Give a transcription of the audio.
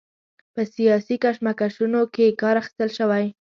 په سیاسي کشمکشونو کې کار اخیستل شوی.